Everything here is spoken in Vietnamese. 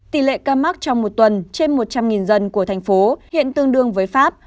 tỷ lệ ca mắc trong một tuần trên một trăm linh dân của thành phố hiện tương đương với pháp